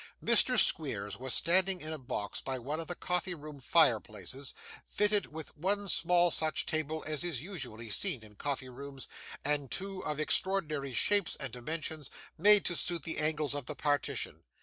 Mr. Squeers was standing in a box by one of the coffee room fire places, fitted with one such table as is usually seen in coffee rooms, and two of extraordinary shapes and dimensions made to suit the angles of the partition.